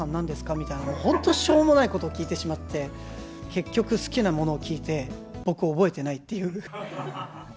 みたいな、本当、しょうもないことを聞いてしまって、結局、好きなものを聞いて、僕、覚えてないっていう。